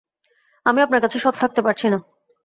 আমি আপনার কাছে সৎ থাকতে পারছি না।